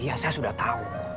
iya saya sudah tahu